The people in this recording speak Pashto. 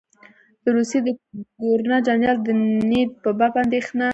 د روسیې د ګورنر جنرال د نیت په باب اندېښنه.